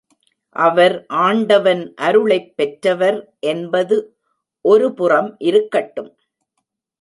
அவர் ஆண்டவன் அருளைப் பெற்றவர் என்பது ஒருபுறம் இருக்கட்டும்.